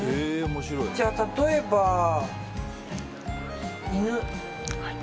じゃあ、例えば犬。